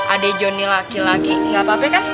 adik jonny laki lagi gak apa apa kan